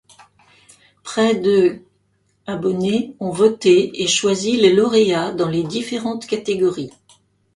Près de abonnés ont voté et choisi les lauréats dans les différentes catégories.